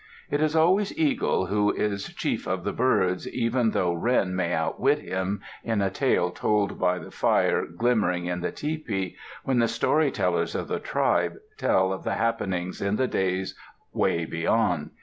It is always Eagle who is chief of the birds, even though Wren may outwit him in a tale told by the fire glimmering in the tepee, when the story tellers of the tribe tell of the happenings in the days "way beyond."